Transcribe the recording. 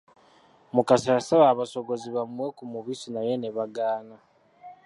Mukasa yasaba abasogozi bamuwe ku mubisi naye ne bagaana.